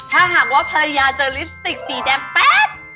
ถ้าหากว่าภรรยาเจอลิปสติกสีแดงแป๊บ